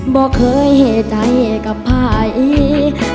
บอกเคยให้ใจให้กับภายอีก